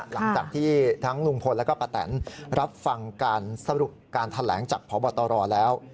หลังจากที่ทั้งลุงพลและป้าแตนรับฟังการทะแหลงจากพบตรแล้ว